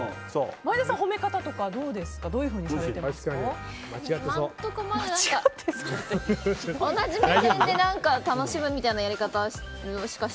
前田さん、褒め方とかどういうふうにされていますか？